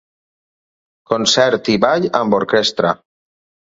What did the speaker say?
Concert i ball amb orquestra.